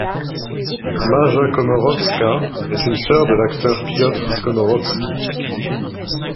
Maja Komorowska est une sœur de l'acteur Piotr Komorowski.